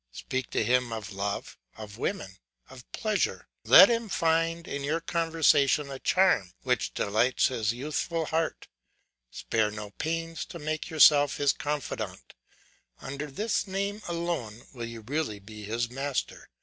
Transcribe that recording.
Speak to him of love, of women, of pleasure; let him find in your conversation a charm which delights his youthful heart; spare no pains to make yourself his confidant; under this name alone will you really be his master.